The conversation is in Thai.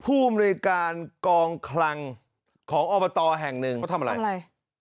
พูดในการกองคลังของออภาตอแห่งหนึ่งก็ทำอะไรทำอะไร